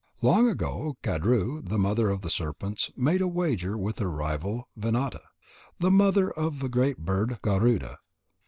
Long ago Kadru, the mother of the serpents, made a wager with her rival Vinata, the mother of the great bird Garuda.